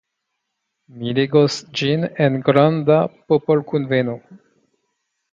Mi legos ĝin en granda popolkunveno.